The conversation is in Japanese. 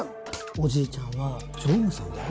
おじいちゃんは常務さんだよ